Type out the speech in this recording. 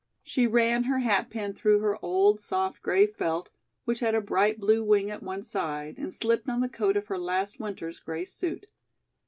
She ran her hatpin through her old soft gray felt, which had a bright blue wing at one side, and slipped on the coat of her last winter's gray suit.